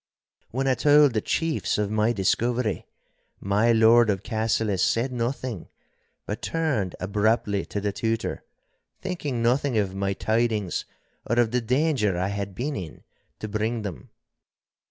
When I told the chiefs of my discovery, my Lord of Cassillis said nothing but turned abruptly to the Tutor, thinking nothing of my tidings or of the danger I had been in to bring them.